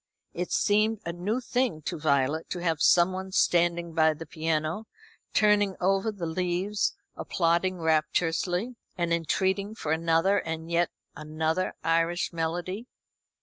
It seemed a new thing to Violet to have someone standing by the piano, turning over the leaves, applauding rapturously, and entreating for another and yet another Irish melody.